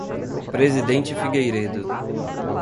Presidente Figueiredo